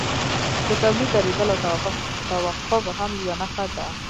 د تولید درېدل او توقف هم یوه نښه ده